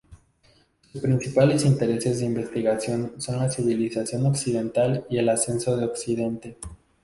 Sus principales intereses de investigación son la civilización occidental y el ascenso de Occidente.